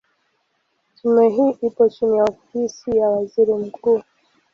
Tume hii ipo chini ya Ofisi ya Waziri Mkuu.